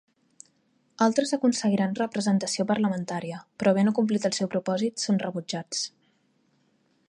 Altres aconseguiran representació parlamentària, però havent acomplit el seu propòsit, són rebutjats.